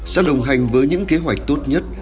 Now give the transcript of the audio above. sẽ đồng hành với những kế hoạch tốt nhất